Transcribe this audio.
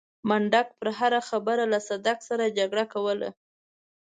منډک به پر هره خبره له صدک سره جګړه کوله.